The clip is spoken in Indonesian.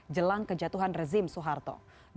jelang kejatuhan rezim soeharto